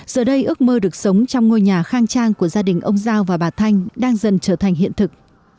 giờ đây ước mơ được sống trong ngôi nhà khang trang của gia đình ông giao và bà thanh đang dần trở thành hiện thực